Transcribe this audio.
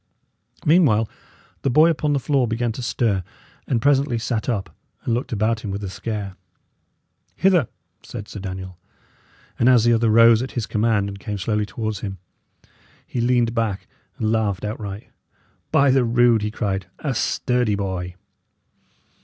Meanwhile, the boy upon the floor began to stir, and presently sat up and looked about him with a scare. "Hither," said Sir Daniel; and as the other rose at his command and came slowly towards him, he leaned back and laughed outright. "By the rood!" he cried, "a sturdy boy!"